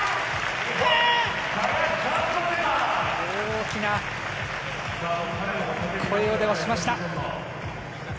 大きな声を出しました。